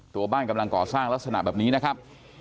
ตัวบ้านกำลังก่อสร้างลักษณะแบบนี้นะครับ